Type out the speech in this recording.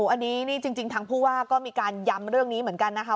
อันนี้นี่จริงทางผู้ว่าก็มีการย้ำเรื่องนี้เหมือนกันนะคะ